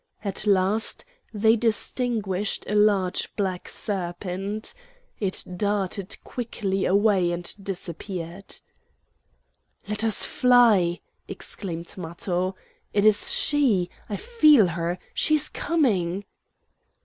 At last they distinguished a large black serpent. It darted quickly away and disappeared. "Let us fly!" exclaimed Matho. "It is she! I feel her; she is coming."